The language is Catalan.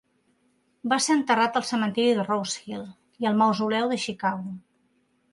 Va ser enterrat al cementiri de Rosehill i al mausoleu de Chicago.